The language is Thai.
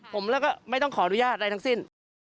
ผมไม่ต้องขออนุญาตใดทั้งสิ้น